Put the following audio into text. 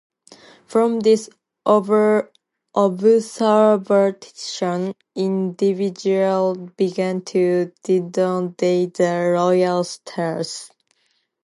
From this observation individuals began to denote them the Royal Stars.